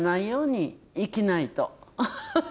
アハハ。